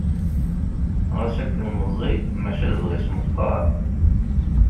Ɣas akken meẓẓi maca lebɣi-s meqqar.